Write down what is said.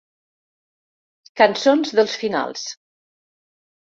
Cançons dels finals!